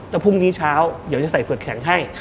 แล้วพรุ่งนี้เช้าเดี๋ยวจะใส่ขวดแข็งให้